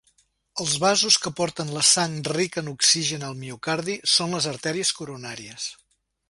Els vasos que porten la sang rica en oxigen al miocardi són les artèries coronàries.